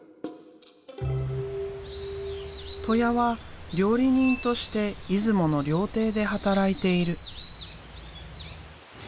戸舎は料理人として出雲の料亭で働いている。